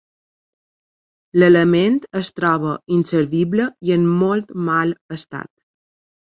L'element es troba inservible i en molt mal estat.